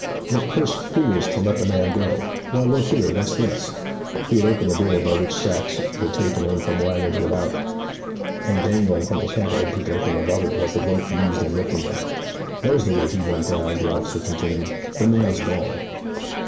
'What cursed fools to let the man go! Why, look here, what's this?' He had opened the door by which sacks were taken in from waggons without, and dangling from the cat head projecting above it was the rope used in lifting them. 'There's the way he went down,' the officer continued. 'The man's gone.'